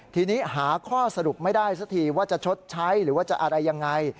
ทีนี้หาข้อสรุปไม่ได้สักทีว่าจะชดใช้หรือว่าจะอะไรยังไง